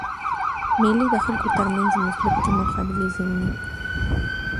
مېلې د خلکو تر منځ د مثبتي مقابلې ځایونه دي.